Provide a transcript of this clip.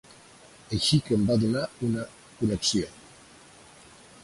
Així que em va donar una connexió.